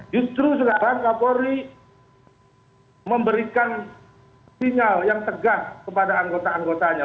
justru sekarang kapolri memberikan sinyal yang tegas kepada anggota anggotanya